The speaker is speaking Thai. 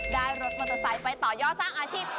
รถมอเตอร์ไซค์ไปต่อยอดสร้างอาชีพ